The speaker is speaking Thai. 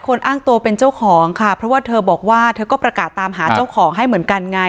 อ้างตัวเป็นเจ้าของค่ะเพราะว่าเธอบอกว่าเธอก็ประกาศตามหาเจ้าของให้เหมือนกันไง